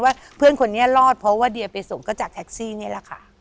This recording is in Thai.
เพื่อนคนนี้รอดเพราะว่าเดียไปส่งก็จากแท็กซี่นี่แหละค่ะ